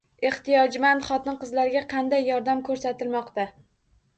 Ehtiyojmand xotin-qizlarga qanday yordam ko‘rsatilmoqda?